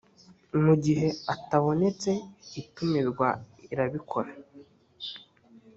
mu gihe atabonetse itumirwa irabikora